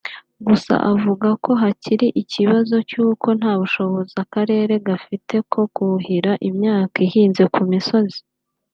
Gusa avuga ko hakiri ikibazo cy’uko ntabushobozi akarere gafite ko kuhira imyaka ihinze ku misozi